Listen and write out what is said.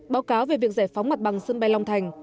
báo cáo về việc giải phóng mặt bằng sân bay long thành